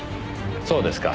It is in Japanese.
そうですか。